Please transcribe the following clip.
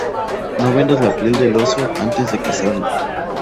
No vendas la piel del oso antes de cazarlo